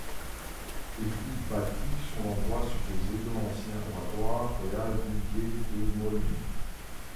Elle fut bâtie sur l’endroit supposé de l’ancien oratoire royal du Gué de Maulny.